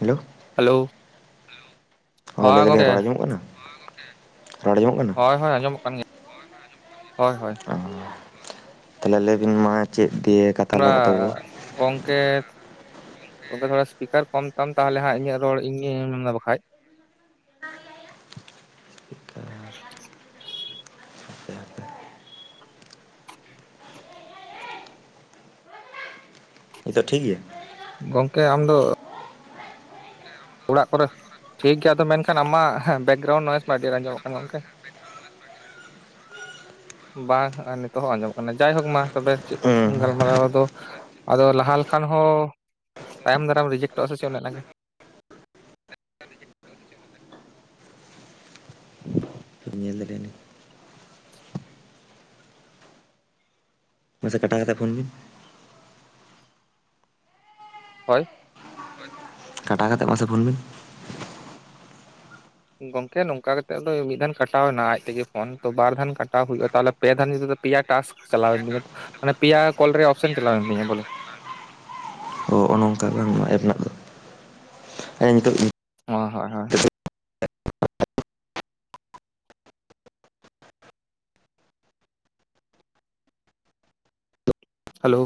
Hello, hello, ᱦᱚᱭ ᱦᱳᱭ ᱞᱟᱹᱭ ᱫᱟᱞᱤᱧ ᱜᱚᱝᱠᱮ ᱨᱚᱲ ᱟᱸᱚᱢᱚᱜ ᱠᱟᱱᱟ? ᱦᱚᱭ ᱜᱚᱝᱠᱮ, ᱨᱚᱲ ᱟᱸᱡᱚᱢᱚᱜ ᱠᱟᱱᱟ᱾ ᱦᱳᱭ ᱦᱳᱭ ᱟᱸᱡᱚᱢᱚᱜ ᱠᱟᱱ ᱜᱮᱭᱟ, ᱦᱳᱭ ᱦᱳᱭ᱾ ᱚ ᱦᱚ ᱛᱟᱦᱚᱞᱮ ᱞᱟᱹᱭ ᱵᱤᱱ ᱢᱟ? ᱪᱮᱫ ᱛᱤᱭᱮᱜ ᱚᱱᱟ ᱜᱚᱝᱠᱮᱛ ᱜᱚᱝᱠᱮ ᱛᱷᱚᱲᱟ ᱥᱯᱤᱠᱟᱨ ᱠᱚᱢ ᱛᱟᱢ ᱜᱚᱝᱠᱮ ᱛᱷᱚᱲᱟ ᱥᱤᱯᱤᱠᱟᱨ ᱠᱚᱢ ᱛᱟᱢ ᱛᱟᱦᱚᱞᱮ ᱦᱟᱸᱜ ᱤᱧᱟᱹᱜ ᱨᱚᱲ ᱤᱧ ᱟᱸᱡᱚᱢᱫᱟ ᱵᱟᱠᱷᱟᱭ [inaudible] ᱱᱤᱛᱚᱜ ᱴᱷᱤᱠ ᱜᱮᱭᱟ? ᱜᱚᱝᱠᱮ ᱟᱢᱫᱚ, ᱚᱲᱟᱜ ᱠᱚᱨᱮ ᱴᱷᱤᱠ ᱜᱮᱭᱟ ᱟᱫᱚ ᱢᱮᱱᱠᱷᱟᱱ ᱟᱢᱟᱜ ᱵᱮᱠᱜᱨᱟᱣᱩᱱᱰ ᱱᱚᱭᱮᱥ ᱢᱟ ᱟᱹᱰᱤ ᱟᱸᱡᱚᱢᱚᱜ ᱠᱟᱱ ᱜᱚᱝᱠᱮ᱾ [inaudible] ᱵᱟᱝ ᱱᱤᱛᱚᱜ ᱦᱚᱸ ᱟᱸᱡᱚᱢᱚᱜ ᱠᱟᱱᱟ ᱡᱟᱭᱦᱳᱠ ᱢᱟ ᱛᱚᱵᱮ ᱪᱮᱫ ᱦᱩᱸ ᱠᱚ ᱜᱟᱞᱢᱟᱨᱟᱣ ᱫᱚ, ᱟᱫᱚ ᱞᱟᱦᱟ ᱞᱮᱠᱷᱟᱱ ᱦᱚᱸ ᱛᱟᱭᱚᱢ ᱫᱟᱨᱟᱢ ᱨᱤᱡᱮᱠᱴᱚᱜᱼᱟ ᱥᱮ ᱪᱮᱫ ᱚᱱᱮ ᱚᱱᱟ ᱜᱮ᱾ ᱧᱤᱛᱚᱜ ᱧᱮᱞ ᱞᱮᱜᱟᱭ ᱢᱮ? ᱢᱟᱥᱮ ᱠᱟᱴᱟᱣ ᱠᱟᱛᱮᱜ ᱯᱷᱳᱱ ᱢᱮ? ᱦᱳᱭ, ᱠᱟᱴᱟᱣ ᱠᱟᱛᱮᱜ ᱢᱟᱥᱮ ᱯᱷᱳᱱ ᱢᱮ? ᱜᱚᱝᱠᱮ ᱱᱚᱝᱠᱟ ᱠᱟᱛᱮᱫ ᱫᱚ ᱢᱤᱫ ᱫᱷᱟᱱ ᱠᱟᱴᱟᱣᱮ ᱮᱱᱟ ᱟᱡ ᱛᱮᱜᱮ ᱯᱷᱳᱱ ᱛᱚ ᱵᱟᱨ ᱫᱷᱟᱱ ᱠᱟᱴᱟᱣ ᱦᱩᱭᱩᱜᱼᱟ ᱛᱟᱦᱚᱞᱮ ᱯᱮ ᱫᱷᱟᱱ ᱡᱩᱫᱤ ᱫᱚ, ᱯᱮᱭᱟ ᱴᱟᱥᱠ ᱪᱟᱞᱟᱣᱮᱱ ᱛᱤᱧᱟᱹ ᱢᱟᱱᱮ ᱯᱮᱭᱟ ᱠᱚᱞᱨᱮᱭᱟᱜ ᱚᱯᱥᱮᱱ ᱪᱟᱞᱟᱣᱮᱱ ᱛᱤᱧᱟ ᱵᱚᱞᱮ᱾ ᱚ ᱦᱚᱸᱜᱼᱚ ᱱᱚᱝᱠᱟ ᱵᱟᱝ ᱱᱚᱣᱟ ᱮᱯ ᱨᱮᱱᱟᱜ ᱫᱚ, ᱦᱮᱸ ᱱᱤᱛᱚᱜᱤ ᱦᱳᱭ ᱦᱳᱭ ᱦᱳᱭ᱾ ᱦᱟᱞᱳ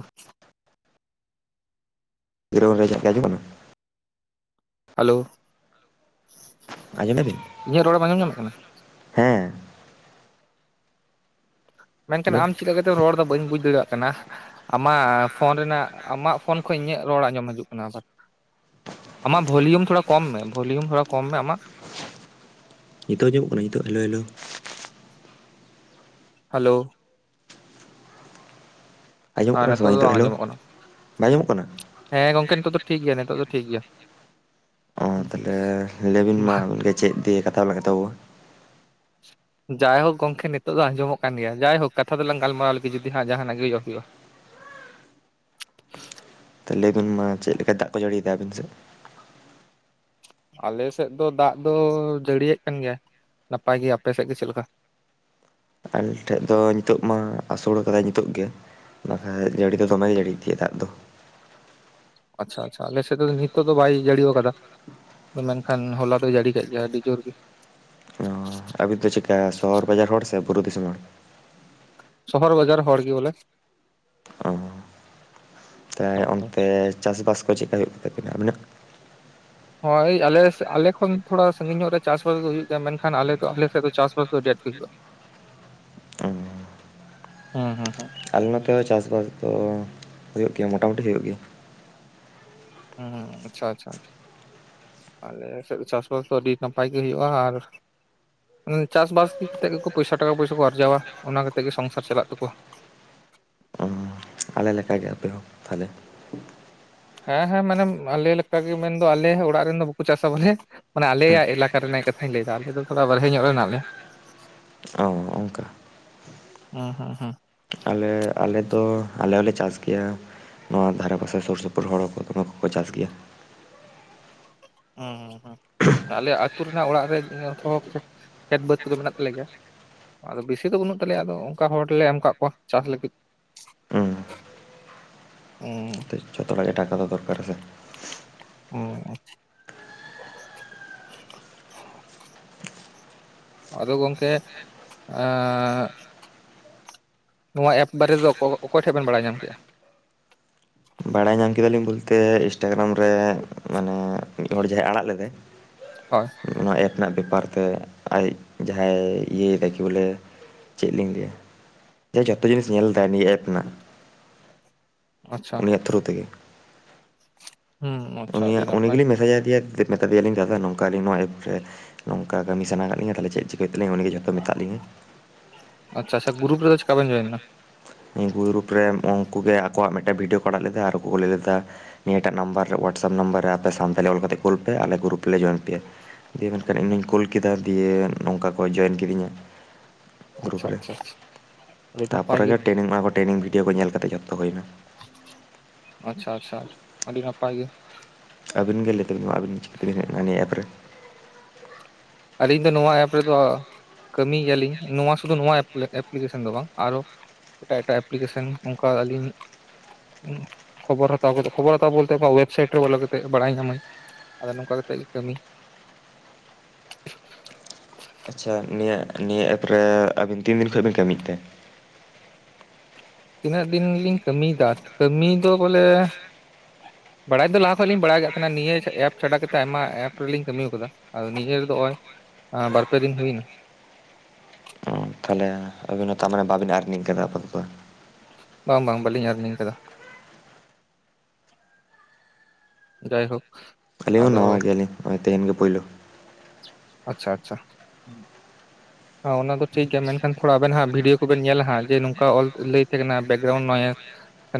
ᱪᱮᱨᱚ ᱵᱮᱨᱚ ᱨᱟᱜ ᱜᱮ ᱟᱸᱡᱚᱢᱚᱜ ᱠᱟᱱᱟ, ᱦᱟᱞᱳ, ᱟᱸᱡᱚᱢ ᱢᱮᱼ ᱟ ᱵᱤᱱ? ᱤᱧᱟᱹᱜ ᱨᱚᱲᱮᱢ ᱟᱸᱡᱚᱢ ᱧᱟᱢᱮᱜ ᱠᱟᱱᱟ? ᱦᱮᱸ᱾ ᱢᱮᱱᱠᱷᱟᱱ ᱦᱮᱞᱳ ᱟᱢ ᱪᱤᱠᱟ ᱠᱟᱛᱮᱢ ᱨᱚᱲ ᱫᱟ ᱵᱟᱹᱧ ᱵᱩᱡᱽ ᱫᱟᱲᱤᱭᱟᱜ ᱠᱟᱱᱟ᱾ ᱟᱢᱟᱻ ᱯᱷᱳᱱ ᱨᱮᱱᱟᱜ ᱟᱢᱟᱜ ᱯᱷᱳᱱ ᱠᱷᱚᱭ ᱤᱧᱟᱹᱜ ᱨᱚᱲ ᱟᱸᱡᱚᱢ ᱦᱟᱡᱩᱜ ᱠᱟᱱᱟ ᱟᱵᱟᱨ, ᱟᱢᱟᱜ ᱵᱷᱚᱞᱤᱭᱚᱢ ᱛᱷᱩᱲᱟ ᱠᱚᱢ ᱢᱮ ᱵᱷᱚᱞᱤᱭᱚᱢ ᱛᱷᱩᱲᱟ ᱠᱚᱢ ᱢᱮ ᱟᱢᱟᱜ? ᱱᱤᱛᱚᱜ ᱟᱸᱡᱚᱢᱚᱜ ᱠᱟᱱᱟ ᱱᱤᱛᱚᱜ ᱦᱮᱞᱳ - ᱦᱮᱞᱳ, ᱦᱟᱞᱳ, ᱟᱸᱡᱚᱢᱚᱜ ᱟᱨ ᱠᱟᱱᱟ ᱥᱮ ᱱᱤᱛᱚᱜ ᱵᱟᱝ ᱫᱚ ᱧᱤᱛᱚᱜ ᱦᱮᱞᱳ ᱟᱸᱡᱚᱢᱚᱜ ᱠᱟᱱᱟ ᱵᱟᱭ ᱟᱸᱡᱚᱢᱚᱜ ᱠᱟᱱᱟ? ᱦᱮᱸ ᱜᱚᱝᱠᱮ ᱱᱤᱛᱚᱜ ᱫᱚ ᱴᱷᱤᱠ ᱜᱮᱭᱟ ᱱᱤᱛᱚᱜ ᱫᱚ ᱴᱷᱤᱠ ᱜᱮᱭᱟ᱾ ᱛᱟᱦᱞᱮᱻ ᱞᱟᱹᱭᱵᱤᱱ ᱢᱟ ᱟᱵᱤᱱ ᱜᱮ ᱪᱮᱫ ᱫᱤᱭᱮ ᱠᱟᱛᱷᱟ ᱞᱟᱝ ᱮᱛᱚᱦᱚᱵᱚ? ᱡᱟᱭᱦᱳᱠ ᱜᱚᱝᱠᱮ ᱱᱤᱛᱚᱜ ᱫᱚ ᱟᱸᱡᱚᱢᱚᱜ ᱠᱟᱱ ᱜᱮᱭᱟ ᱡᱟᱭᱦᱩᱠ ᱠᱟᱛᱷᱟ ᱫᱚ ᱞᱟᱝ ᱜᱟᱞᱢᱟᱨᱟᱣ ᱞᱮᱜᱮ ᱡᱩᱫᱤ ᱦᱟᱸᱜ ᱡᱟᱦᱟᱸᱱᱟᱜ ᱜᱮ ᱦᱩᱭᱩᱜᱼᱟ ᱦᱩᱭᱩᱜᱼᱟ ᱛᱚ ᱞᱟᱹᱭᱵᱤᱱ ᱢᱟ ᱪᱮᱜ ᱞᱮᱠᱟ ᱫᱟᱜ ᱠᱚᱭ ᱡᱟᱹᱲᱤ ᱮᱫᱟ ᱟᱹᱵᱤᱱ ᱥᱮᱜ? ᱟᱞᱮᱥᱮᱫ ᱫᱚ ᱫᱟᱜ ᱫᱚ ᱡᱟᱹᱲᱤ ᱭᱮᱜ ᱠᱟᱱ ᱜᱮᱭᱟᱭ ᱱᱟᱯᱟᱭ ᱜᱮ ᱟᱯᱮᱥᱮᱜ ᱜᱮ ᱪᱮᱜ ᱞᱮᱠᱟ? ᱟᱞᱮ ᱴᱷᱮᱡ ᱫᱚ ᱧᱤᱛᱳᱜ ᱢᱟ ᱟᱥᱩᱲ ᱠᱟᱫᱟᱭ ᱧᱤᱛᱳᱜ ᱜᱮ ᱾ ᱵᱟᱠᱷᱟᱡ ᱡᱟᱹᱲᱤ ᱫᱚ ᱫᱚᱢᱮ ᱜᱮ ᱡᱟᱹᱲᱤ ᱤᱫᱤᱭᱟᱹ ᱫᱟᱜ ᱫᱚ ᱟᱪᱪᱷᱟ ᱟᱪᱪᱷᱟ ᱟᱞᱮᱥᱮᱫ ᱫᱚ ᱧᱤᱛᱚᱜ ᱫᱚ ᱵᱟᱭ ᱡᱟᱹᱲᱤᱣ ᱠᱟᱫᱟ ᱾ ᱢᱮᱱᱠᱷᱟᱱ ᱦᱚᱞᱟ ᱫᱚ ᱡᱟᱹᱲᱤ ᱠᱮᱜ ᱜᱮᱭᱟ ᱟᱹᱰᱤ ᱡᱳᱨ ᱜᱮ᱾ ᱟᱵᱤᱱ ᱫᱚ ᱪᱤᱠᱠᱟ ᱥᱚᱦᱚᱨ ᱵᱟᱡᱟᱨ ᱦᱚᱲ ᱥᱮ ᱵᱩᱨᱩ ᱫᱤᱥᱩᱢ ᱦᱚᱲ? ᱥᱚᱦᱚᱨ ᱵᱟᱡᱟᱨ ᱦᱚᱲ ᱜᱤ ᱵᱚᱞᱮ ᱾ ᱛᱮᱭ ᱚᱱᱛᱮ ᱪᱟᱥᱵᱟᱥ ᱠᱚ ᱪᱮᱜᱠᱟ ᱦᱩᱭᱩᱜ ᱛᱟᱠᱤᱱᱟ ᱟᱵᱤᱱᱟᱜ? ᱦᱳᱭ ᱟᱞᱮ ᱥᱮᱜ ᱟᱞᱮ ᱠᱷᱚᱱ ᱛᱷᱳᱲᱟ ᱥᱟᱺᱜᱤᱧ ᱧᱚᱜ ᱨᱮ ᱪᱟᱥ - ᱵᱟᱥ ᱫᱚ ᱦᱩᱭᱩᱜ ᱛᱟᱦᱮ ᱢᱮᱱᱠᱷᱟᱱ ᱟᱞᱮ ᱟᱞᱮ ᱥᱮᱫ ᱫᱚ ᱪᱟᱥ - ᱵᱟᱥ ᱫᱚ ᱟᱰᱤ ᱮᱴᱠᱮ ᱚ ᱦᱩᱸ ᱦᱩᱸ ᱦᱩᱸ ᱟᱞᱮ ᱱᱚᱛᱮ ᱦᱚ ᱪᱟᱥ ᱵᱟᱥ ᱫᱚ ᱦᱩᱭᱩᱜ ᱜᱮᱭᱟ ᱢᱚᱴᱟ ᱢᱩᱩᱴᱤ ᱦᱩᱭᱩᱜ ᱜᱮᱭᱟ᱾ ᱦᱩᱸ ᱟᱪᱪᱷᱟ ᱟᱪᱪᱷᱟ ᱟᱪᱷᱟ ᱾ ᱟᱞᱮ ᱥᱮᱫ ᱪᱟᱥ ᱵᱟᱥ ᱫᱚ ᱟᱹᱰᱤ ᱱᱟᱯᱟᱭ ᱜᱮ ᱦᱩᱭᱩᱜᱼᱟ ᱟᱨ ᱪᱟᱥ ᱵᱟᱥ ᱠᱟᱛᱮᱜ ᱜᱮᱠᱚ ᱯᱚᱭᱥᱟ ᱴᱟᱠᱟ ᱯᱚᱭᱥᱟ ᱟᱨᱡᱟᱣᱟ ᱚᱱᱟ ᱠᱟᱛᱮᱜ ᱜᱮ ᱥᱚᱝᱥᱟᱨ ᱪᱟᱞᱟᱜ ᱛᱟᱠᱚᱣᱟ᱾ ᱚ ᱟᱞᱮ ᱞᱮᱠᱟ ᱜᱮ ᱟᱯᱮ ᱦᱚᱸ ᱛᱟᱦᱚᱞᱮ ᱾ ᱦᱮᱸᱦᱮᱸ ᱢᱟᱱᱮᱢ ᱟᱞᱮ ᱞᱮᱠᱟ ᱜᱮ ᱢᱮᱱᱫᱚ ᱟᱞᱮᱷ ᱚᱲᱟᱜ ᱨᱮᱱ ᱫᱚ ᱵᱟᱠᱚ ᱪᱟᱥᱟ ᱵᱚᱞᱮ ᱢᱟᱱᱮ ᱟᱞᱮᱭᱟᱜ ᱮᱞᱟᱠᱟ ᱨᱮᱱᱟᱜ ᱠᱟᱛᱷᱟᱧ ᱞᱟᱹᱭ ᱮᱫᱟ ᱟᱞᱮ ᱫᱚ ᱛᱷᱚᱲᱟ ᱵᱟᱨᱦᱮ ᱧᱚᱜ ᱨᱮ ᱦᱮᱱᱟᱜ ᱞᱮᱭᱟ᱾ ᱚᱸ᱾ ᱩᱸ ᱦᱩᱸ ᱦᱩᱸ ᱾ ᱟᱞᱮ ᱟᱞᱮ ᱫᱚ ᱟᱞᱮ ᱦᱚᱸᱞᱮ ᱪᱟᱥ ᱜᱮᱭᱟ ᱱᱚᱣᱟ ᱫᱷᱟᱨᱮ ᱯᱟᱥᱮ ᱥᱩᱨ ᱥᱩᱯᱩᱨ ᱦᱚᱲ ᱠᱚ ᱫᱚ [unintelligible] ᱠᱚ ᱠᱚ ᱪᱟᱥ ᱜᱮᱭᱟ ᱩᱸᱦᱩᱸ ᱾ ᱟᱞᱮᱭᱟᱜ ᱟᱹᱛᱩ ᱨᱮᱱᱟᱜ ᱚᱲᱟᱜ ᱨᱮ ᱮᱸ ᱛᱷᱚᱲᱚᱠ ᱪᱮᱷ ᱠᱷᱮᱛ ᱵᱟᱹᱫᱽ ᱠᱚᱫᱚ ᱢᱮᱱᱟᱜ ᱛᱟᱞᱮ ᱜᱮᱭᱟ ᱾ ᱟᱫᱚ ᱵᱤᱥᱤ ᱫᱚ ᱵᱟᱹᱱᱩᱜ ᱛᱟᱞᱮᱭᱟ ᱟᱫᱚ ᱚᱝᱠᱟ ᱦᱚᱲ ᱞᱮ ᱮᱢ ᱠᱟᱜ ᱠᱚᱣᱟ ᱪᱟᱥ ᱞᱟᱹᱜᱤᱫ ᱦᱩᱸ ᱩᱸᱻ, ᱮ ᱴᱟᱠᱟ ᱠᱚ ᱫᱚᱠᱟᱨᱟ ᱥᱮ ᱩᱸ ᱩᱸ ᱟᱫᱚ ᱜᱚᱝᱠᱮ ᱟᱸᱻ ᱱᱚᱣᱟ ᱮᱯ ᱵᱟᱨᱮ ᱫᱚ ᱚᱠᱚᱭ ᱴᱷᱮᱜ ᱵᱮᱱ ᱵᱟᱲᱟᱭ ᱧᱟᱢ ᱠᱮᱜᱼᱟ? ᱵᱟᱲᱟᱭ ᱧᱟᱢ ᱠᱮᱫᱟ ᱞᱤᱧ ᱵᱚᱞᱛᱮ ᱤᱱᱥᱴᱟᱜᱨᱟᱢ ᱨᱮᱢᱟᱱᱮ ᱢᱤᱫ ᱦᱚᱲ ᱡᱟᱦᱟᱸᱭ ᱟᱲᱟᱜ ᱞᱮᱫᱟᱭ, ᱦᱳᱭ ᱱᱚᱣᱟ ᱮᱯ ᱨᱮᱱᱟᱜ ᱵᱮᱯᱟᱨ ᱛᱮ ᱟᱡ ᱡᱟᱦᱟᱭ ᱤᱭᱟᱹᱭ ᱮᱫᱟ ᱠᱤ ᱵᱚᱞᱮ ᱪᱮᱜ ᱞᱤᱧ ᱞᱟᱹᱭᱟ ᱡᱚᱛᱚ ᱡᱤᱱᱤᱥ ᱧᱮᱞ ᱮᱫᱟᱭ ᱱᱤᱭᱟᱹ ᱮᱯ ᱨᱮᱱᱟᱜ, ᱟᱪᱪᱷᱟ ᱩᱱᱤᱭᱟᱜ ᱛᱷᱨᱩ ᱛᱮᱜᱮ᱾ ᱦᱩᱸ ᱟᱪᱪᱷᱟ ᱟᱹᱰᱤ ᱩᱱᱭᱟᱜ ᱩᱱᱤ ᱱᱟᱯᱟᱭ ᱜᱮᱞᱤᱧ ᱢᱮᱥᱮᱡᱽ ᱟᱫᱮᱭᱟ ᱫᱮᱯ ᱢᱮᱛᱟ ᱫᱮᱭᱟᱞᱤᱧ ᱫᱟᱫᱟ ᱱᱚᱝᱠᱟ ᱟᱹᱞᱤᱧ ᱱᱚᱣᱟ ᱮᱯ ᱨᱮ ᱱᱚᱝᱠᱟ ᱠᱟᱢᱤ ᱥᱟᱱᱟ ᱠᱟᱜ ᱞᱤᱧᱟ ᱛᱟᱦᱞᱮ ᱪᱮᱜ ᱪᱤᱠᱟ ᱦᱩᱭᱩᱜ ᱛᱟᱞᱤᱧᱟ ᱩᱱᱤ ᱜᱮ ᱡᱷᱚᱛᱚ ᱢᱮᱟᱜ ᱞᱤᱧᱟᱹ ᱟᱪᱪᱷᱟ ᱪᱷᱟ ᱜᱩᱨᱩᱯ ᱨᱮ ᱪᱤᱠᱟ ᱵᱮᱱ ᱡᱚᱭᱮᱱ ᱱᱟ? ᱩᱱᱠᱩ ᱜᱩᱨᱩᱯ ᱨᱮ ᱩᱱᱠᱩ ᱜᱮ ᱟᱠᱚᱣᱟᱜ ᱢᱤᱫ ᱴᱮᱱ ᱵᱷᱤᱰᱭᱳ ᱠᱚ ᱟᱲᱟᱜ ᱞᱮᱫᱟ ᱟᱨ ᱠᱚ ᱞᱟᱹᱭ ᱞᱮᱫᱟ᱾ ᱱᱤᱭᱟᱹᱴᱟᱜ ᱱᱟᱢᱵᱟᱨ ᱨᱮᱳᱣᱟᱴᱥᱮᱯ ᱱᱟᱢᱵᱟᱨ ᱨᱮ ᱟᱯᱮ ᱥᱟᱱᱛᱟᱞᱤ ᱚᱞ ᱠᱟᱛᱮ ᱠᱩᱞ ᱯᱮ ᱟᱞᱮ ᱜᱩᱨᱩᱯ ᱨᱮ ᱞᱮ ᱡᱚᱭᱮᱱ ᱯᱮᱭᱟ᱾ ᱫᱤᱭᱮ ᱢᱮᱱᱠᱷᱟᱱ ᱤᱧᱤᱧ ᱠᱳᱩᱞ ᱠᱮᱫᱟ ᱫᱤᱭᱮ ᱱᱚᱝᱠᱟ ᱠᱚ ᱡᱚᱭᱮᱱ ᱠᱤᱫᱤᱧᱟ᱾ ᱟᱪᱪᱷᱟ ᱟᱪᱪᱷᱟ ᱟᱪᱷᱟ, ᱛᱟᱯᱚ ᱨᱮ ᱜᱮ ᱴᱮᱱᱤᱝ ᱚᱜ-ᱟ ᱠᱚ ᱴᱨᱮᱱᱤᱝ ᱵᱷᱤᱭᱳ ᱠᱚ ᱧᱮᱞ ᱠᱟᱛᱮ ᱡᱚᱛᱚ ᱦᱩᱭᱱᱟ᱾ ᱟᱪᱪᱷᱟ ᱟᱪᱪᱷᱟ ᱟᱹᱰᱤ ᱱᱟᱯᱟᱭ ᱜᱮ᱾ ᱟᱹᱵᱤᱱ ᱜᱮ ᱞᱟᱹᱭ ᱛᱟᱹᱵᱤᱱ ᱢᱟ ᱟᱹᱵᱤᱱ ᱪᱤᱠᱟᱹ ᱛᱮᱵᱤᱱ ᱦᱮᱡ ᱮᱱᱟ ᱱᱤᱭᱟᱹ ᱮᱯ ᱨᱮ ᱟᱹᱞᱤᱧ ᱫᱚ ᱱᱚᱣᱟ ᱮᱯ ᱨᱮᱫᱚ, ᱠᱟᱹᱢᱤ ᱭᱟᱞᱤᱧ ᱱᱚᱣᱟ ᱥᱩᱫᱷᱩ ᱱᱚᱣᱟ ᱮᱯᱞᱤᱠᱮᱥᱚᱱ ᱫᱚ ᱵᱟᱝ ᱟᱨᱚ ᱮᱴᱟᱜ ᱮᱴᱟᱜ ᱮᱯᱞᱤᱠᱮᱥᱚᱱ ᱚᱱᱠᱟ ᱟᱹᱞᱤᱧ, ᱠᱷᱚᱵᱚᱨ ᱦᱟᱛᱟᱣ ᱠᱟᱛᱮ ᱠᱷᱚᱵᱚᱨ ᱦᱟᱛᱟᱣ ᱵᱚᱞᱛᱮ ᱚᱠᱟ ᱳᱭᱮᱵᱥᱟᱭᱤᱴ ᱨᱮ ᱵᱚᱞᱚ ᱠᱟᱛᱮ ᱵᱟᱲᱟᱭ ᱧᱟᱢ-ᱤᱧ᱾ ᱟᱫᱚ ᱱᱚᱝᱠᱟ ᱠᱟᱛᱮᱜ ᱜᱮ ᱠᱟᱹᱢᱤ ᱟᱪᱪᱷᱟ ᱱᱤᱭᱟᱹ ᱱᱤᱭᱟᱹ ᱮᱯ ᱨᱮ ᱟᱹᱵᱤᱱ ᱛᱤᱱ ᱫᱤᱱ ᱠᱷᱚᱱ ᱵᱤᱱ ᱠᱟᱹᱢᱤ ᱭᱮᱫ ᱛᱮ, ᱤᱱᱟᱹᱜ ᱫᱤᱱ ᱜᱮᱞᱤᱧ ᱠᱟᱹᱢᱤ ᱭᱮᱫᱟ ᱠᱟᱹᱢᱤ ᱫᱚ ᱵᱚᱞᱮ, ᱵᱟᱲᱟᱭ ᱫᱚ ᱞᱟᱦᱟ ᱠᱷᱚᱡ ᱞᱤᱧ ᱵᱟᱲᱟᱭ ᱟᱠᱟᱫ ᱛᱟᱦᱮᱱᱟ ᱱᱤᱭᱟᱹ ᱮᱯ ᱪᱷᱟᱰᱟ ᱠᱟᱛᱮᱫ ᱟᱭᱢᱟ ᱮᱯ ᱨᱮᱞᱤᱧ ᱠᱟᱹᱢᱤ ᱟᱠᱟᱫᱟ᱾ ᱟᱫᱚ ᱱᱤᱡᱮᱨ ᱫᱚ ᱱᱚᱜᱚᱭ ᱵᱟᱨᱯᱮ ᱫᱤᱱ ᱦᱩᱭ ᱮᱱᱟ᱾ ᱚ ᱛᱟᱦᱚᱞᱮ, ᱤᱱᱟᱹ ᱛᱟᱨ ᱢᱟᱱᱮ ᱵᱟᱵᱤᱱ ᱟᱨᱤᱝ ᱠᱟᱫᱟ ᱛᱚ᱾ ᱵᱟᱝ ᱵᱟᱝ ᱵᱟᱞᱤᱧ ᱟᱨᱱᱤᱝ ᱠᱟᱫᱟ᱾ ᱡᱟᱭ ᱦᱳᱠ, ᱟᱹᱞᱤᱧ ᱦᱚᱸ ᱱᱟᱣᱟ ᱜᱮᱭᱟᱞᱤᱧ ᱱᱚᱜ-ᱚᱭ ᱛᱮᱦᱮᱱ ᱜᱮ ᱯᱳᱭᱞᱳ, ᱟᱪᱪᱷᱟ ᱟᱪᱪᱷᱟ, ᱚᱱᱟ ᱫᱚ ᱴᱷᱤᱠ ᱜᱮᱭᱟ ᱢᱮᱱᱠᱷᱟᱱ ᱛᱷᱚᱲ ᱟᱵᱮᱱ ᱦᱚ ᱵᱷᱤᱰᱭᱳ ᱠᱚᱵᱮᱱ ᱧᱮᱞᱟᱜ ᱡᱮ ᱱᱚᱝᱠᱟ ᱚᱞ ᱞᱟᱹᱭ ᱛᱟᱦᱮᱸ ᱠᱟᱱᱟ ᱵᱮᱠᱜᱨᱟᱣᱩᱱᱰ ᱱᱚᱭᱮᱥ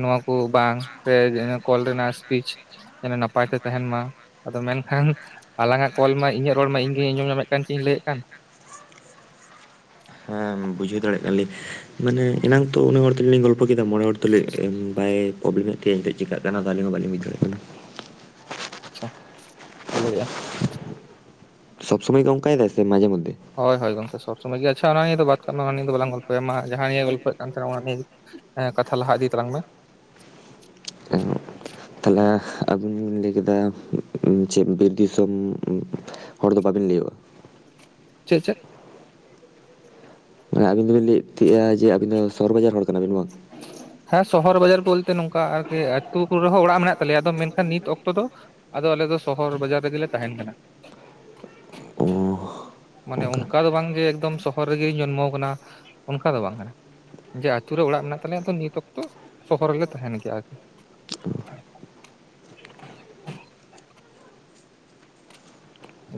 ᱱᱚᱣᱟ ᱠᱚ ᱵᱟᱝ ᱥᱮ ᱠᱚᱞ ᱨᱮᱱᱟᱜ ᱥᱯᱤᱪ, ᱡᱮᱱᱚ ᱱᱟᱯᱟᱭ ᱛᱮ ᱛᱟᱦᱮᱱ ᱢᱟ ᱟᱫᱚ ᱢᱮᱱᱠᱷᱟᱱ, ᱟᱞᱟᱝ ᱟᱜ ᱠᱚᱞ ᱢᱟ ᱤᱧᱟᱹᱜ ᱨᱚᱲ ᱢᱟ ᱤᱧᱜᱮᱧ ᱟᱸᱡᱚᱢ ᱧᱟᱢᱮᱫ ᱠᱟᱱ ᱪᱮᱫ ᱤᱧ ᱞᱟᱹᱭᱮᱫ ᱠᱟᱱ᱾ ᱮᱸ ᱵᱩᱡᱷᱟᱹᱣ ᱫᱟᱲᱮᱭᱟᱜ ᱠᱟᱱᱟ ᱞᱤᱧ ᱢᱟᱱᱮ ᱮᱱᱟᱝ ᱛᱚ ᱚᱱᱮ ᱦᱚᱲ ᱛᱩᱞᱩᱡ ᱞᱤᱧ ᱜᱚᱞᱯᱚ ᱠᱮᱫᱟ ᱢᱚᱬᱮ ᱦᱚᱲ ᱛᱩᱞᱩᱡ ᱵᱟᱭ- ᱯᱨᱚᱵᱞᱮᱢᱮᱫ ᱛᱮᱧ ᱪᱮᱠᱟᱹᱜ ᱠᱟᱱᱟ ᱟᱹᱞᱤᱧ ᱦᱚᱸ ᱵᱟᱞᱤᱧ ᱵᱩᱡ ᱫᱟᱲᱮᱭᱟᱜ ᱠᱟᱱᱟ᱾ ᱟᱪᱪᱷᱟ ᱦᱩᱭ ᱫᱟᱲᱮᱭᱟᱜᱼᱟ, ᱥᱚᱵ ᱥᱚᱢᱚᱭ ᱜᱮ ᱚᱝᱠᱟᱭᱮᱫᱟᱭ ᱥᱮ ᱢᱟᱡᱷᱮ ᱢᱚᱫᱷᱮᱹ ᱦᱳᱭ ᱦᱳᱭ ᱜᱚᱢᱠᱮ ᱥᱚᱵ ᱥᱚᱢᱚᱭ ᱜᱮ ᱟᱪᱪᱷᱟ ᱚᱱᱟ ᱱᱤᱭᱟ ᱫᱚ ᱵᱟᱛ ᱠᱟᱜ ᱢᱮ ᱚᱱᱟ ᱱᱤᱭᱤᱭᱟᱹ ᱫᱚ ᱵᱟᱝ ᱞᱟᱝ ᱜᱚᱞᱯᱚᱭᱟ ᱢᱟ ᱡᱟᱦᱟᱸ ᱱᱤᱭᱮ ᱜᱚᱞᱯᱚᱭᱮᱫ ᱠᱟᱱ ᱛᱟᱦᱮᱱᱟ ᱚᱱᱟ ᱱᱤᱭᱮ ᱜᱮ᱾ ᱦᱮᱸ ᱠᱟᱛᱷᱟ ᱞᱟᱦᱟ ᱤᱫᱤ ᱛᱟᱞᱟᱝ ᱢᱮ, ᱛᱟᱦᱞᱮ ᱟᱵᱤᱱ ᱵᱤᱱ ᱞᱟᱹᱭ ᱠᱮᱫᱟ ᱪᱮᱫ ᱵᱤᱨ ᱫᱤᱥᱚᱢ, ᱦᱚᱲ ᱫᱚ ᱵᱟᱵᱤᱱ ᱞᱟᱹᱭᱚᱜᱼᱟ᱾ ᱪᱮᱫ ᱪᱮᱫ, ᱟᱵᱤᱱ ᱫᱚᱵᱤᱱ ᱞᱟᱹᱭᱚᱜ ᱛᱟᱦᱮᱜ-ᱟ ᱡᱮ ᱟᱵᱤᱱ ᱫᱚ ᱥᱚᱦᱚᱨ ᱵᱟᱡᱟᱨ ᱦᱚᱲ ᱠᱟᱱᱟ ᱵᱤᱱ ᱵᱟᱝ ᱠᱟᱱᱟᱵᱤᱱ ᱵᱟᱝ, [inaudible] ᱦᱮᱸ ᱥᱚᱦᱚᱨ ᱵᱟᱡᱟᱨ ᱵᱚᱞᱛᱮ ᱱᱚᱝᱠᱟ ᱟᱨᱠᱤ ᱟᱹᱛᱩ ᱠᱚᱨᱮ ᱦᱚᱸ ᱚᱲᱟᱜ ᱢᱮᱱᱟᱜ ᱛᱟᱞᱮᱭᱟ ᱟᱫᱚ ᱢᱮᱱᱠᱷᱟᱱ ᱱᱤᱛ ᱚᱠᱛᱚ ᱫᱚ, ᱟᱫᱚ ᱟᱞᱮ ᱫᱚ ᱥᱚᱦᱚᱨ ᱵᱟᱡᱟᱨ ᱨᱮᱜᱮ ᱞᱮ ᱛᱟᱦᱮᱸᱱ ᱠᱟᱱᱟ᱾ ᱚ ᱢᱟᱱᱮ ᱚᱱᱠᱟ ᱫᱚ ᱵᱟᱝ ᱜᱮ ᱮᱠᱫᱚᱢ ᱥᱚᱦᱚᱨ ᱨᱮᱜᱮᱧ ᱡᱚᱱᱢᱚ ᱠᱟᱱᱟ ᱚᱱᱠᱟ ᱫᱚ ᱵᱟᱝ ᱠᱟᱱᱟ᱾ ᱡᱮ ᱟᱹᱛᱩ ᱨᱮ ᱚᱲᱟᱜ ᱢᱮᱱᱟᱜ ᱛᱟᱞᱮᱭᱟ ᱛᱚ ᱱᱤᱛ ᱚᱠᱛᱚ ᱥᱚᱦᱚᱨ ᱨᱮᱜᱮ ᱞᱮ ᱛᱟᱦᱮᱸᱱ ᱜᱮᱭᱟ ᱟᱨᱠᱤ,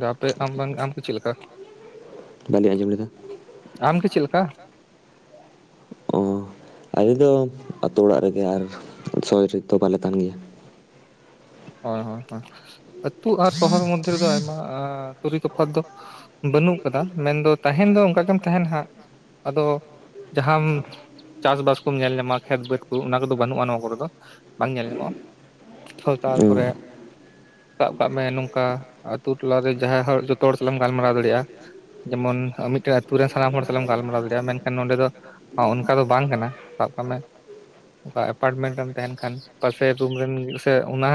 ᱜᱟᱯᱮ ᱟᱢ ᱵᱟᱝ ᱟᱢ ᱫᱚ ᱪᱮᱫ ᱞᱮᱠᱟ᱾ ᱵᱟᱞᱤᱧ ᱟᱸᱡᱚᱢ ᱞᱮᱫᱟ᱾ ᱟᱢᱜᱮ ᱪᱮᱫ ᱞᱮᱠᱟ᱾ ᱚ ᱟᱞᱮ ᱫᱚ ᱟᱹᱛᱳ ᱚᱲᱟᱜ ᱨᱮᱜᱮ ᱟᱨ ᱥᱚᱦᱚᱨ ᱨᱮ ᱫᱚ ᱵᱟᱞᱮ ᱛᱟᱦᱮᱸᱱ ᱜᱮᱭᱟ᱾ ᱦᱳᱭ ᱦᱳᱭ ᱦᱚ ᱟᱹᱛᱩ ᱟᱨ ᱥᱚᱦᱚᱨ ᱢᱚᱫᱽᱫᱷᱮ ᱨᱮᱫᱚ ᱟᱭᱢᱟ ᱛᱩᱨᱤ ᱛᱚᱯᱷᱟᱛ ᱫᱚ ᱵᱟᱹᱱᱩᱜ ᱟᱠᱟᱫᱟ ᱢᱮᱱᱫᱚ ᱛᱟᱦᱮᱸᱱ ᱫᱚ ᱚᱱᱠᱟ ᱜᱮᱢ ᱛᱟᱦᱮᱸᱱᱟ ᱦᱟᱸᱜ, ᱟᱫᱚ ᱡᱟᱦᱟᱸᱢ ᱪᱟᱥ ᱵᱟᱥ ᱠᱚᱢ ᱧᱮᱞ ᱧᱟᱢᱟ ᱠᱷᱮᱛ ᱵᱮᱫᱽ ᱠᱚ ᱚᱱᱟ ᱠᱚᱫᱚ ᱵᱟᱹᱱᱩᱜᱼᱟ ᱱᱚᱣᱟ ᱠᱚᱨᱮ ᱫᱚ ᱵᱟᱝ ᱧᱮᱞ ᱧᱟᱢᱚᱜᱼᱟ᱾ ᱛ ᱚ ᱛᱟᱨᱯᱚᱨᱮ ᱥᱟᱵ ᱠᱟᱜ ᱢᱮ ᱱᱚᱝᱠᱟ ᱟᱛᱳ ᱴᱚᱞᱟᱨᱮ ᱡᱟᱦᱟᱸᱭ ᱦᱚᱲ ᱡᱚᱛᱚ ᱦᱚᱲ ᱥᱟᱞᱟᱜ ᱮᱢ ᱜᱟᱞᱢᱟᱨᱟᱣ ᱫᱟᱲᱮᱭᱟᱜᱼᱟ᱾ ᱡᱮᱢᱚᱱ ᱢᱤᱫᱴᱮᱡ ᱟᱛᱩ ᱨᱮᱱ ᱥᱟᱱᱟᱢ ᱦᱚᱲ ᱥᱟᱞᱟᱢ ᱜᱟᱞᱢᱟᱨᱟᱣ ᱫᱟᱲᱮᱭᱟᱜᱼᱟ, ᱢᱮᱱᱠᱷᱟᱱ ᱱᱚᱸᱰᱮ ᱫᱚ ᱚᱱᱠᱟ ᱫᱚ ᱵᱟᱝ ᱠᱟᱱᱟ ᱥᱟᱵ ᱠᱟᱜ ᱢᱮ [unintelligible] ᱚᱱᱠᱟ ᱮᱯᱟᱨᱴᱢᱮᱱᱴ ᱨᱮᱢ ᱛᱟᱦᱮᱱ ᱠᱷᱟᱱ ᱯᱟᱟᱥᱮ ᱨᱩᱢ ᱨᱮᱱ ᱥᱮ ᱚᱱᱟ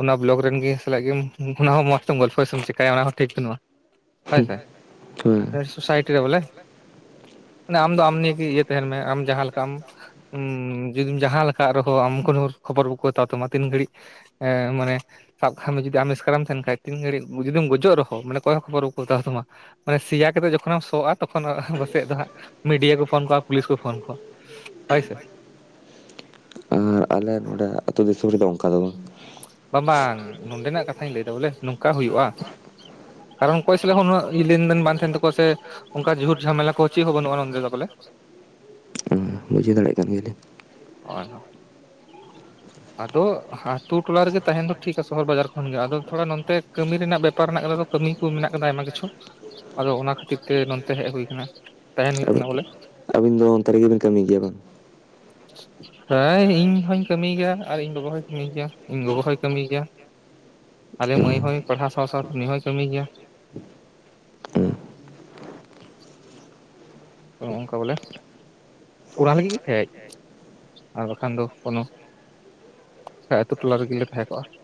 ᱚᱱᱟ ᱵᱞᱚᱠ ᱨᱮᱱ ᱜᱮ ᱥᱟᱞᱟᱜ ᱜᱮᱢ ᱚᱱᱟ ᱦᱚᱸ ᱢᱚᱸᱡᱽ ᱛᱮᱢ ᱜᱚᱞᱯᱚᱪᱢ ᱪᱮᱠᱟᱭᱭᱟ ᱚᱱᱟ ᱦᱚᱸ ᱴᱷᱤᱠ ᱵᱟᱹᱱᱩᱜᱼᱟ᱾ [unintelligible] ᱦ ᱥᱳᱥᱟᱭᱴᱤ ᱨᱮ ᱵᱚᱞᱮ, ᱢᱟᱱᱮ ᱟᱢ ᱫᱚ ᱟᱢ ᱱᱤᱭᱮ ᱤᱭᱟᱹ ᱛᱟᱦᱮᱱ ᱢᱮ ᱟᱢ ᱡᱟᱦᱟᱸ ᱞᱮᱠᱟᱢ ᱦᱸ ᱡᱩᱚᱫᱤᱢ ᱡᱟᱦᱟᱸ ᱞᱮᱠᱟᱜ ᱨᱮᱦᱚᱸ ᱟᱢ ᱠᱳ ᱠᱷᱚᱵᱚᱨ ᱵᱟᱠᱚ ᱦᱟᱛᱟᱣ ᱛᱟᱢᱟ ᱛᱤᱱ ᱜᱷᱟᱹᱲᱤᱡ ᱮ ᱢᱟᱱᱮ ᱥᱟᱵ ᱠᱟᱜ ᱢᱮ ᱡᱩᱫᱤ ᱟᱢ ᱤᱥᱠᱟᱨᱮᱢ ᱛᱟᱦᱮᱱ ᱠᱷᱟᱱ ᱛᱤᱱ ᱜᱷᱟᱹᱲᱤᱡ ᱡᱩᱫᱤ ᱜᱚᱡᱚᱜ ᱨᱮᱦᱚᱸ ᱢᱟᱱᱮ ᱠᱚᱚᱭ ᱦᱚ ᱠᱷᱚᱵᱚᱨ ᱵᱟᱠᱚ ᱦᱟᱛᱟᱣ ᱛᱟᱢᱟ᱾ ᱢᱟᱱᱮ ᱥᱮᱭᱟ ᱠᱟᱛᱮᱜ ᱮᱢ ᱡᱚᱠᱷᱚᱱᱮᱢ ᱥᱚᱜ ᱟ ᱛᱚᱠᱷᱚᱱ ᱯᱟᱥᱮᱡ ᱫᱚ ᱦᱟᱸᱜ ᱢᱤᱰᱤᱭᱟ ᱠᱚ ᱯᱷᱳᱱ ᱠᱚᱜᱣᱟ ᱯᱩᱞᱤᱥ ᱠᱚ ᱯᱷᱳᱱ ᱠᱚᱣᱟ᱾ ᱦᱳᱭ ᱥᱮ᱾ ᱟᱨ ᱟᱞᱮ ᱱᱚᱸᱰᱮ ᱟᱹᱛᱩ ᱫᱤᱥᱚᱢ ᱨᱮᱫᱚ ᱚᱱᱠᱟ ᱫᱚ ᱵᱟᱝ ᱾ ᱵᱟᱝ ᱵᱟᱝ ᱱᱚᱰᱮᱱᱟᱜ ᱠᱟᱛᱷᱟᱧ ᱞᱟᱹᱭᱫᱟ ᱵᱚᱞᱮ ᱱᱚᱝᱠᱟ ᱦᱩᱭᱩᱜᱼᱟ ᱾ ᱠᱟᱨᱚᱱ ᱚᱠᱚᱭ ᱥᱞᱟᱜ ᱩᱱᱟᱹᱜ ᱞᱮᱱᱫᱮᱱ ᱵᱟᱝ ᱛᱟᱦᱮᱱ ᱛᱟᱠᱚᱣᱟ ᱥᱮ᱾ ᱚᱱᱠᱟ ᱡᱷᱩᱨ ᱡᱷᱟᱢᱮᱞᱟ ᱠᱚ ᱪᱮᱫ ᱦᱚᱸ ᱵᱩᱜᱼᱟ ᱱᱚᱱᱰᱮ ᱫᱚ ᱵᱚᱞᱮ ᱵᱩᱡᱷᱟᱹᱣ ᱫᱟᱲᱭᱟᱜ ᱠᱟᱱ ᱜᱮᱞᱤᱧ, [unintelligible] ᱟᱫᱚ ᱟᱛᱳ ᱴᱚᱞᱟ ᱨᱮᱜᱮ ᱛᱟᱦᱮᱱ ᱫᱚ ᱴᱷᱤᱠᱟ ᱥᱚᱦᱚᱨ ᱵᱟᱡᱟᱨ ᱠᱷᱚᱱ ᱜᱮ ᱟᱫᱚ ᱛᱷᱚᱲᱟ ᱱᱚᱛᱮ ᱠᱟᱹᱢᱤ ᱨᱮᱱᱟᱜ ᱵᱮᱯᱟᱨ ᱢᱮᱱᱟᱜ ᱠᱟᱫᱟ ᱛᱚ, ᱠᱟᱹᱢᱤ ᱠᱚ ᱢᱮᱱᱟᱜ ᱠᱟᱫᱟ ᱟᱭᱢᱟ ᱠᱤᱪᱷᱩ, ᱟᱫᱚ ᱚᱱᱟ ᱠᱷᱟᱹᱛᱤᱨ ᱛᱮ ᱱᱚᱛ ᱦᱮᱡ ᱦᱩᱭ ᱠᱟᱱᱟ ᱛᱟᱦᱮᱱ ᱦᱩᱭᱩᱜ ᱠᱟᱱᱟ ᱵᱚᱞᱮ ᱾ ᱛᱚ ᱚᱱᱛᱮ ᱨᱮᱜᱮ ᱵᱤᱱ ᱠᱟᱹᱢᱤ ᱜᱮᱭᱟ ᱵᱟᱝ ᱾ ᱦᱮᱸ ᱤᱧ ᱦᱚᱧ ᱠᱟᱹᱢᱤᱭ ᱜᱮᱭᱟ ᱟᱨ ᱤᱧ ᱵᱟᱵᱟ ᱦᱚᱧ ᱠᱟᱹᱢᱤᱭ ᱜᱮᱭᱟ ᱤᱧ ᱜᱚᱜᱚ ᱦᱚᱭ ᱠᱟᱹᱢᱤᱭ ᱜᱮᱭᱟ᱾ ᱟᱞᱮ ᱢᱟᱹᱭ ᱦᱚᱸᱭ ᱯᱟᱲᱦᱟᱣ ᱥᱟᱶ ᱥᱟᱶᱛᱮ ᱩᱱᱤ ᱦᱚᱸᱭ ᱠᱟᱹᱢᱤᱭ ᱜᱮᱭᱟ ᱾ ᱚᱱ ᱱᱝᱠᱟ ᱵᱚᱞᱮ, [inaudible] ᱚᱱᱟᱨ ᱞᱟᱹᱜᱤᱫ ᱜᱮ ᱦᱮᱡ ᱟᱨ ᱵᱟᱠᱷᱟᱱ ᱫᱚ ᱠᱱᱳ ᱟᱹᱛᱩᱳ ᱴᱚᱞᱟ ᱨᱮᱜᱮᱞᱮ ᱛᱟᱦᱮᱸ ᱠᱚᱜᱼᱟ ᱾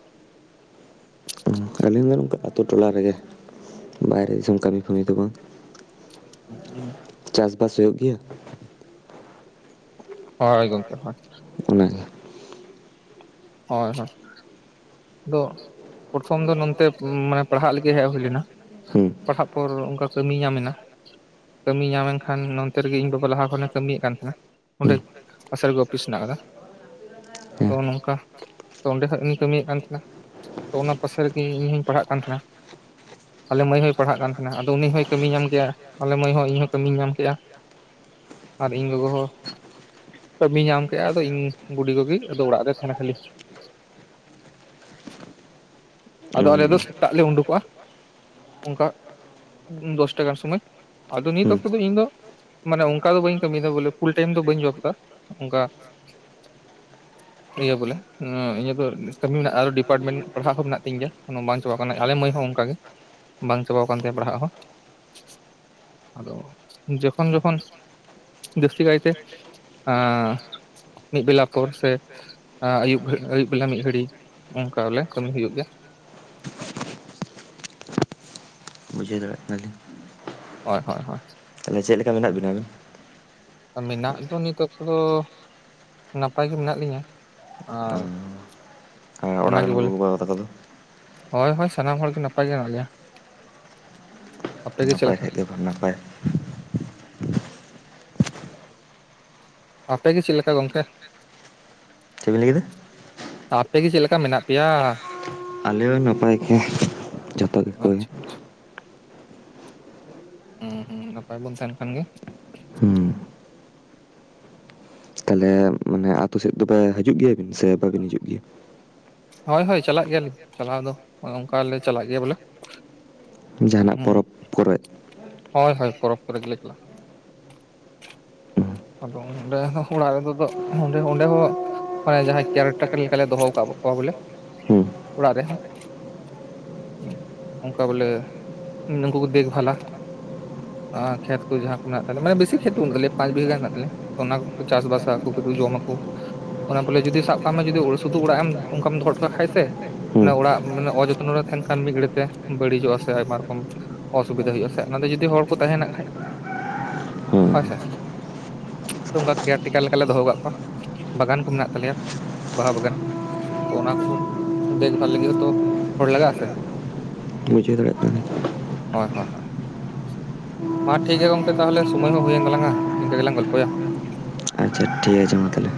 [unintelligible] ᱟᱛᱳ ᱴᱚᱞᱟ ᱨᱮᱜᱮ ᱵᱟᱭᱨᱮ ᱫᱤᱥᱚᱢ ᱠᱟᱹᱢᱤ ᱠᱟᱢᱤ ᱫᱚ ᱵᱟᱝ, [unintelligible] ᱪᱟᱥᱵᱟᱥ ᱦᱩᱭᱩᱜ ᱜᱮᱭᱟ? ᱦᱳᱭ ᱜᱚᱢᱠᱮ ᱦᱚᱭ ᱾ ᱚᱱᱟᱜᱮ ᱦᱳᱭ ᱦᱳᱭ ᱾ ᱫᱚ ᱯᱨᱚᱨᱚᱛᱷᱚᱢ ᱫᱚ ᱱᱚᱛᱮ ᱢᱟᱱᱮ ᱯᱟᱲᱦᱟᱜ ᱞᱟᱹᱜᱤᱫ ᱦᱮᱡ ᱦᱩᱭ ᱞᱮᱱᱟ᱾ ᱦᱮᱸ ᱯᱟᱲᱦᱟᱜ ᱯᱚᱨ ᱚᱱᱠᱟ ᱠᱟᱹᱢᱤ ᱧᱟᱢ ᱮᱱᱟ, ᱠᱟᱹᱢᱤ ᱧᱟᱢ ᱮᱱᱠᱷᱟᱱ ᱱᱚᱱᱛᱮ ᱨᱮᱜᱮ ᱤᱧ ᱵᱟᱵᱟ ᱞᱟᱦᱟ ᱠᱷᱚᱱᱮ ᱠᱟᱹᱢᱤᱭᱮᱫ ᱠᱟᱱ ᱛᱟᱦᱮᱱᱟ ᱚᱸᱰᱮ ᱦᱮᱸ [inaudible] ᱨᱮᱜᱮ ᱚᱯᱷᱤᱥ ᱦᱮᱱᱟᱜ ᱟᱠᱟᱫᱟ ᱛᱚ ᱦᱮᱸ ᱱᱚᱝᱠᱟ ᱛᱚ ᱚᱸᱰᱮ ᱠᱷᱚᱡ ᱤᱧ ᱠᱟᱹᱢᱤᱭᱮᱫ ᱠᱟᱱ ᱛᱟᱦᱮᱟᱦᱮᱱᱟ ᱛᱚ ᱚᱱᱟ ᱯᱟᱥᱮ ᱨᱮᱜᱮ ᱤᱧ ᱦᱚᱧ ᱯᱟᱲᱦᱟᱜ ᱠᱟᱱ ᱛᱟᱦᱮᱱᱟ᱾ ᱟᱞᱮ ᱢᱟᱹᱭ ᱦᱚᱸᱭ ᱯᱟᱲᱦᱟᱜ ᱠᱟᱱ ᱛᱟᱦᱮᱱᱟ ᱟᱫᱚ ᱩᱱᱤ ᱦᱚᱸᱭ ᱠᱟᱹᱢᱤ ᱧᱟᱢ ᱠᱮᱜ-ᱟ᱾ ᱟᱞᱮ ᱢᱟᱹᱭ ᱦᱚᱸ ᱤᱧᱦᱚᱸ ᱠᱟᱹᱢᱤᱧ ᱧᱟᱢ ᱠᱮᱫᱼᱟ ᱟᱨ ᱤᱧ ᱜᱚᱜᱚ ᱦᱚᱸ ᱾ ᱠᱟᱹᱢᱤᱭ ᱧᱟᱢ ᱠᱮᱫᱼᱟ ᱟᱫᱚ ᱤᱧ ᱵᱩᱰᱤᱼᱜᱚ ᱜᱤ, ᱟᱫᱚ ᱚᱲᱟᱜ ᱨᱮᱭ ᱛᱟᱦᱮᱱᱟ ᱠᱷᱟᱹᱞᱤ᱾ ᱟᱫᱚ ᱟᱞᱮ ᱫᱚ ᱦᱩᱸ ᱥᱮᱛᱟᱜ ᱞᱮ ᱩᱸᱰᱩᱸᱠᱚᱜᱼᱟ᱾ ᱚᱱᱠᱟ ᱫᱚᱥᱴᱟ ᱜᱟᱱ ᱥᱳᱢᱳᱭ, ᱟᱫᱚ ᱱᱤᱛ ᱦᱩᱸ ᱚᱠᱛᱚ ᱫᱚ ᱤᱧ ᱫᱚ ᱢᱟᱱᱮ ᱚᱝᱠᱟ ᱫᱚ ᱵᱟᱹᱧ ᱠᱟᱹᱢᱤᱭᱮᱫᱟ ᱵᱚᱞᱮ ᱯᱷᱩᱞ ᱴᱟᱭᱤᱢ ᱫᱚ ᱵᱟᱹᱧ ᱡᱚᱵᱽ ᱮᱫᱟ ᱚᱝᱠᱟ ᱤᱭᱟᱹ ᱵᱚᱞᱮ᱾ ᱤᱧᱟᱜ ᱫᱚ ᱠᱟᱹᱢᱤ ᱢᱮᱱᱟᱜᱼᱟ, ᱟᱨᱚ ᱰᱤᱯᱟᱨᱴᱢᱮᱱᱴ ᱯᱟᱲᱦᱟᱜ ᱦᱚᱸ ᱢᱮᱱᱟᱜ ᱛᱤᱧ ᱜᱮᱭᱟ ᱚᱱᱟ ᱵᱟᱝ ᱪᱟᱵᱟ ᱟᱠᱟᱱᱟ᱾ ᱟᱞᱮ ᱢᱟᱹᱭ ᱦᱚᱸ ᱚᱱᱠᱟ ᱜᱮ᱾ ᱵᱟᱝ ᱪᱟᱵᱟᱣ ᱠᱟᱱ ᱛᱟᱭᱟ ᱯᱟᱲᱦᱟᱜ ᱦᱚᱸ, ᱟᱫᱚ ᱡᱚᱠᱷᱚᱱ ᱡᱚᱠᱷᱚᱱ ᱡᱟᱹᱥᱛᱤ ᱠᱟᱭᱛᱮ ᱮᱸᱻ ᱢᱤᱫ ᱵᱮᱞᱟ ᱯᱚᱨ ᱥᱮ ᱟᱹᱭᱩᱵ ᱟᱹᱭᱩᱵ ᱵᱮᱞᱟ ᱢᱤᱫ ᱜᱷᱟᱹᱲᱤᱡ ᱚᱝᱠᱟ ᱵᱚᱞᱮ ᱠᱟᱹᱢᱤ ᱦᱩᱭᱩᱜ ᱜᱮᱭᱟ᱾ ᱵᱩᱡᱷᱟᱹᱣ ᱫᱟᱲᱮᱭᱟᱜ ᱠᱟᱱᱟ ᱞᱤᱧ ᱾ ᱦᱚᱭ ᱦᱚᱭ ᱦᱚᱭ᱾ ᱛᱟᱦᱚᱞᱮ ᱪᱮᱫ ᱞᱮᱠᱟ ᱢᱮᱱᱟᱜ ᱵᱤᱱᱟᱹ ᱟᱹᱵᱤᱱ? ᱢᱮᱱᱟᱜ ᱞᱤᱧᱟ ᱱᱤᱛ ᱚᱠᱛᱚ ᱫᱚ ᱱᱟᱯᱟᱭ ᱜᱮ ᱢᱮᱱᱟᱜ ᱞᱤᱧᱟ, ᱟᱨ ᱦᱮᱸ ᱚᱲᱟᱜ ᱨᱮᱱ ᱜᱚᱜᱚ ᱵᱟᱵᱟ ᱛᱟᱠᱚ ᱫᱚ? ᱦᱚᱭ ᱦᱚᱭ ᱥᱟᱱᱟᱢ ᱦᱚᱲ ᱜᱮ ᱱᱟᱯᱟᱭ ᱜᱮ ᱦᱮᱱᱟᱜ ᱞᱮᱭᱟ, ᱟᱯᱮ ᱜᱮ ᱪᱮᱫ ᱞᱮᱠᱟ? ᱟᱞᱮ ᱦᱚᱸ ᱱᱟᱯᱟᱭ᱾ ᱟᱯᱮ ᱜᱮ ᱪᱮᱫ ᱞᱮᱠᱟ ᱜᱚᱝᱠᱮ? ᱪᱮᱫ ᱵᱤᱱ ᱞᱟᱹᱭ ᱠᱮᱫᱟ? ᱟᱯᱮ ᱜᱤ ᱪᱮᱫ ᱞᱮᱠᱟ ᱢᱮᱱᱟᱜ ᱯᱮᱭᱟ? ᱟᱞᱮ ᱱᱟᱯᱟᱭ ᱜᱮ᱾ ᱡᱚᱛᱚ ᱜᱮᱠᱚ ᱜᱮ᱾ ᱟᱪᱪᱷᱟ ᱟᱪᱪᱷᱟ᱾ ᱦᱩᱸ ᱦᱩᱸ ᱱᱟᱯᱟᱭ ᱵᱚᱱ ᱛᱟᱦᱮᱱ ᱠᱷᱟᱱ ᱜᱮ ᱛᱟᱦᱚᱞᱮ ᱢᱟᱱᱮ ᱟᱛᱳ ᱥᱮᱫ ᱫᱚᱯᱮ ᱦᱤᱡᱩᱜ ᱜᱮᱭᱟᱵᱤᱱ ᱥᱮ ᱵᱟᱵᱤᱱ ᱦᱤᱡᱩᱜ ᱜᱮᱭᱟ? ᱦᱚᱭ ᱦᱚᱭ ᱪᱟᱞᱟᱜ ᱜᱮᱭᱟᱞᱤᱧ ᱪᱟᱞᱟᱣ ᱫᱚ ᱚᱝᱠᱟ ᱞᱮ ᱪᱟᱞᱟᱜ ᱜᱮᱭᱟ ᱵᱚᱞᱮ ᱾ ᱡᱟᱦᱟᱱᱟᱜ ᱯᱚᱨᱚᱵᱽ ᱠᱚᱨᱮᱜ ᱾ ᱦᱚᱭ ᱦᱚᱭ ᱯᱚᱨᱚᱵᱽ ᱠᱚᱨᱮ ᱜᱮᱞᱮ ᱪᱟᱞᱟᱜ-ᱟ᱾ ᱦᱩᱸ, ᱟᱫᱚ ᱚᱸᱰᱮ ᱦᱚᱸ ᱚᱲᱟᱜ ᱨᱮᱫᱚ ᱚᱸᱰᱮ ᱚᱸᱰᱮ ᱦᱚᱸ ᱢᱟᱱᱮ ᱡᱟᱦᱟᱸᱭ ᱠᱮᱭᱟᱨ ᱴᱮᱠᱟᱨ ᱞᱮᱠᱟᱞᱮ ᱫᱚᱦᱚ ᱟᱠᱟᱫ ᱠᱚᱣᱟ ᱵᱚᱞᱮ ᱦᱩᱸ, ᱚᱲᱟᱜ ᱨᱮᱦᱚᱸ᱾ ᱚᱝᱠᱟ ᱵᱚᱞᱮ ᱱᱩᱝᱠᱩ ᱠᱚ ᱫᱮᱠᱷᱼᱵᱷᱟᱞᱟ᱾ ᱟᱨ ᱠᱷᱮᱛ ᱠᱚ ᱡᱟᱦᱟᱸ ᱠᱚ ᱢᱮᱱᱟᱜ ᱛᱟᱞᱮ, ᱢᱟᱱᱮ ᱵᱮᱥᱤ ᱠᱷᱮᱛ ᱫᱚ ᱵᱟᱹᱱᱩᱜ ᱛᱟᱞᱮᱭᱟ ᱯᱟᱸᱪ ᱵᱤᱜᱷᱟᱹ ᱜᱟᱱ ᱢᱮᱱᱟᱜ ᱛᱟᱞᱮ ᱚᱱᱟ ᱠᱚ ᱠᱚ ᱪᱟᱥ ᱵᱟᱥᱟ ᱟᱠᱚ ᱛᱮᱠᱚ ᱡᱚᱢ ᱟᱠᱚ᱾ ᱚᱱᱟ ᱵᱚᱞᱮ ᱡᱩᱫᱤ ᱥᱟᱵ ᱠᱟᱜ ᱢᱮ ᱡᱩᱫᱤ ᱥᱩᱫᱩ ᱚᱲᱟᱜ ᱮᱢ ᱚᱱᱠᱟᱢ ᱫᱚᱦᱚ ᱦᱚᱴᱚ ᱠᱟᱜ ᱠᱷᱟᱡ ᱥᱮ ᱢᱟᱱᱮ ᱦᱩᱸ, ᱚᱲᱟᱜ ᱢᱟᱱᱮ ᱚᱡᱚᱛᱱᱚ ᱨᱮ ᱛᱟᱦᱮᱱ ᱠᱷᱟᱱ ᱢᱤᱫ ᱜᱷᱟᱹᱲᱤ ᱛᱮ ᱵᱟᱹᱲᱤᱡᱚᱜᱼᱟ ᱥᱮ ᱟᱭᱢᱟ ᱨᱚᱠᱚᱢ ᱚᱥᱩᱵᱤᱫᱷᱟ ᱦᱩᱭᱩᱜᱼᱟ ᱥᱮ ᱚᱱᱟ ᱫᱚ ᱡᱩᱫᱤ ᱦᱚᱲ ᱠᱚ ᱛᱟᱦᱮᱱᱟᱜ ᱠᱷᱟᱡ ᱦᱩᱸ ᱦᱳᱭ ᱥᱮ᱾ ᱚᱝᱠᱟ ᱠᱮᱭᱟᱨ ᱴᱮᱠᱟᱨ ᱞᱮᱠᱟᱞᱮ ᱫᱚᱦᱚ ᱟᱠᱟᱫ ᱠᱚᱣᱟ, ᱵᱟᱜᱟᱱ ᱠᱚ ᱢᱮᱱᱟᱜ ᱛᱟᱞᱮᱭᱟ ᱵᱟᱦᱟ ᱵᱟᱜᱟᱱ ᱠᱚ᱾ ᱛᱚ ᱚᱱᱟ ᱠᱚ ᱫᱮᱠᱷᱼᱵᱷᱟᱞ ᱞᱟᱹᱜᱤᱫ ᱦᱚᱸᱛᱚ ᱦᱚᱲ ᱞᱟᱜᱟᱜ-ᱟ ᱥᱮ᱾ ᱵᱩᱡᱷᱟᱹᱣ ᱫᱟᱲᱮᱭᱟᱜ ᱠᱟᱱᱟᱞᱤᱧ ᱦᱚᱭ ᱦᱚᱭ ᱦᱚᱭ᱾ ᱢᱟ ᱴᱷᱤᱠ ᱜᱮᱭᱟ ᱜᱚᱝᱠᱮ ᱛᱟᱦᱚᱞᱮ, ᱥᱳᱢᱳᱭ ᱦᱚᱸ ᱦᱩᱭᱮᱱ ᱛᱟᱞᱟᱝᱼᱟ ᱱᱤᱝᱠᱟᱹ ᱜᱮᱞᱟᱝ ᱜᱚᱞᱯᱚᱭᱟ᱾ ᱟᱪᱪᱷᱟ ᱴᱷᱤᱠ ᱟᱪᱷᱮ ᱢᱟ ᱛᱟᱦᱚᱞᱮ᱾